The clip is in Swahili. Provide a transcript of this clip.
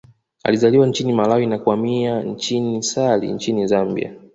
Alizaliwa nchini Malawi na kuhamia Chinsali nchini Zambia